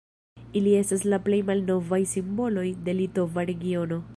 Ili estas la plej malnovaj simboloj de litova regiono.